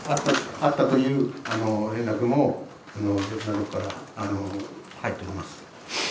あったという連絡もから入っております。